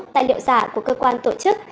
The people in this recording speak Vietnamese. tài liệu giả của cơ quan tổ chức